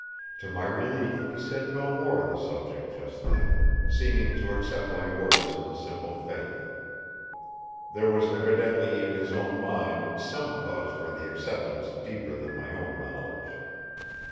To my relief he said no more on the subject just then, seeming to accept my words in simple faith. There was evidently in his own mind some cause for the acceptance deeper than my own knowledge.